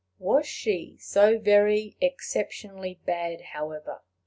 Was she so very exceptionally bad, however?